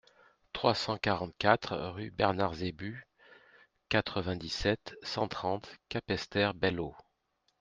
trois cent quarante-quatre rue Bernard Zébus, quatre-vingt-dix-sept, cent trente, Capesterre-Belle-Eau